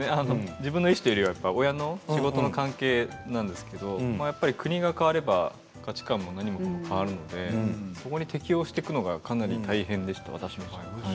自分の意思というよりは親の仕事の関係なんですけど国が変われば価値観も何も変わるのでそこに適応していくのがかなり大変でした、私の場合。